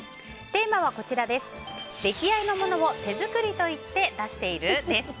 テーマは出来合いのものを手作りといって出している？です。